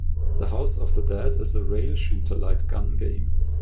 "The House of the Dead" is a rail shooter light gun game.